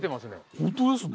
本当ですね。